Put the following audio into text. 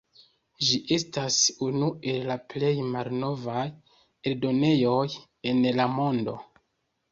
Ĝi estas unu el la plej malnovaj eldonejoj en la mondo.